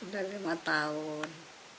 sudah lima tahun